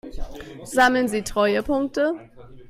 Sammeln Sie Treuepunkte?